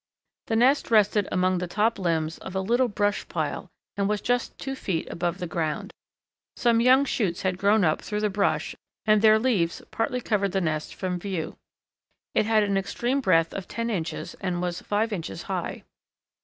The nest rested among the top limbs of a little brush pile and was just two feet above the ground. Some young shoots had grown up through the brush and their leaves partly covered the nest from view. It had an extreme breadth of ten inches and was five inches high.